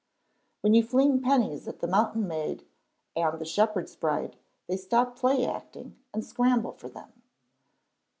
When you fling pennies at the Mountain Maid and the Shepherd's Bride they stop play acting and scramble for them.